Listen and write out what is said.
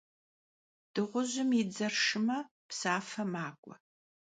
Dığujım yi dzer şşıme, psafe mak'ue.